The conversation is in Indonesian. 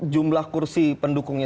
jumlah kursi pendukungnya